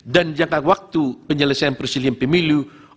dan jangka waktu penyelesaian presiden dan wakil presiden